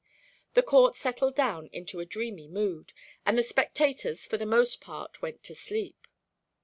The court settled down into a dreamy mood, and the spectators for the most part went to sleep.